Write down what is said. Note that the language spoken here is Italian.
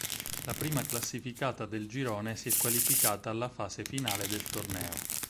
La prima classificata del girone si è qualificata alla fase finale del torneo.